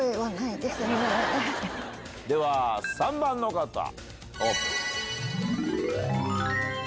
では３番の方オープン！